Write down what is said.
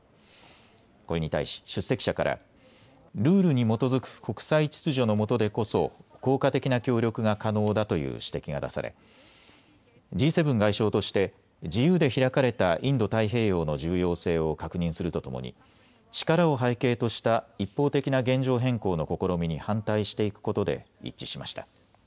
これに対し出席者からルールに基づく国際秩序のもとでこそ効果的な協力が可能だという指摘が出されＧ７外相として自由で開かれたインド太平洋の重要性を確認するとともに力を背景とした一方的な現状変更の試みに反対していくことで一致しました。